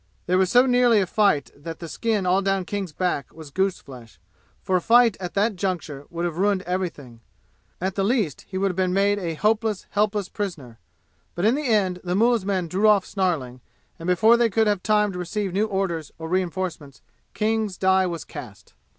There was so nearly a fight that the skin all down King's back was gooseflesh, for a fight at that juncture would have ruined everything. At the least he would have been made a hopeless helpless prisoner. But in the end the mullah's men drew off snarling, and before they could have time to receive new orders or reinforcements, King's die was cast.